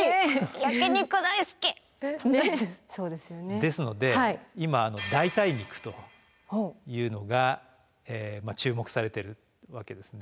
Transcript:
ですので今代替肉というのが注目されているわけですね。